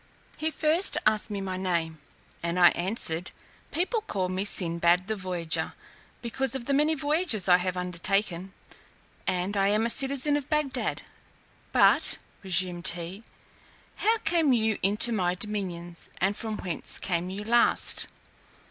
He first asked me my name, and I answered, "People call me Sinbad the voyager, because of the many voyages I have undertaken, and I am a citizen of Bagdad." "But," resumed he, "how came you into my dominions, and from whence came you last?"